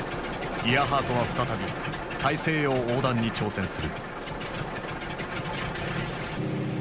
イアハートは再び大西洋横断に挑戦する。